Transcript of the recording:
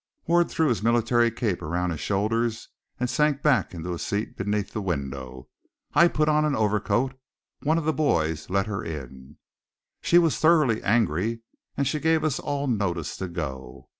Ward threw his military cape around his shoulders, and sank back into a seat beneath the window. I put on an overcoat. One of the boys let her in. She was thoroughly angry, and she gave us all notice to go.